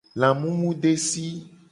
Lamumudesi.